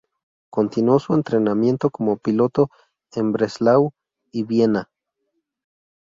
Continuó su entrenamiento como piloto en Breslau y Viena-Schwechat.